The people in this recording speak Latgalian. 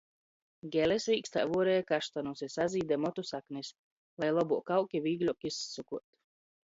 Gele svīkstā vuoreja kaštanus i sazīde motu saknis, lai lobuok aug i vīgļuok izsukuot.